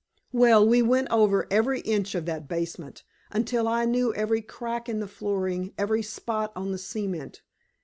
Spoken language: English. Well, we went over every inch of that basement, until I knew every crack in the flooring, every spot on the cement.